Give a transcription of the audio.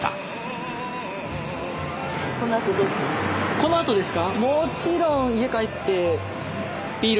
このあとですか？